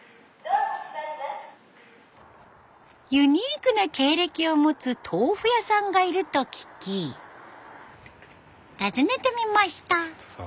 ユニークな経歴を持つ豆腐屋さんがいると聞き訪ねてみました。